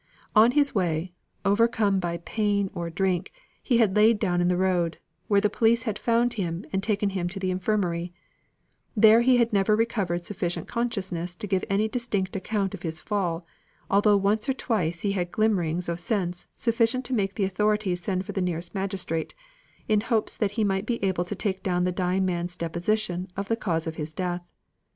On his way, overcome by pain or drink, he had lain down in the road, where the police had found him and taken him to the Infirmary: there he had never recovered sufficient consciousness to give any distinct account of his fall, although once or twice he had had glimmerings of sense sufficient to make the authorities send for the nearest magistrate, in hopes that he might be able to take down the dying man's deposition of the cause of his death.